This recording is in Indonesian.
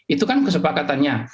itu kan kesepakatannya